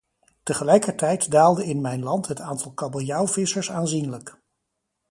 Tegelijkertijd daalde in mijn land het aantal kabeljauwvissers aanzienlijk.